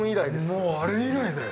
もうあれ以来だよ。